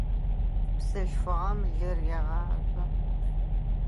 Бзылъфыгъэм лыр егъажъо.